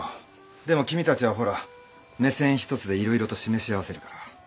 でも君たちはほら目線一つで色々と示し合わせるから。